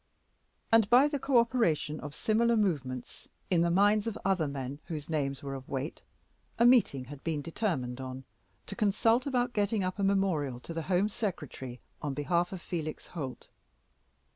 And by the co operation of similar movements in the minds of other men whose names were of weight, a meeting had been determined on to consult about getting up a memorial to the Home Secretary on behalf of Felix Holt.